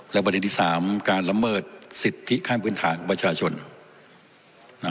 และวันที่สามการลำเมิดสิทธิข้ามพื้นฐานของประชาชนน่ะ